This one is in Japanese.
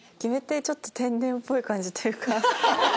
ちょっと天然っぽい感じというか。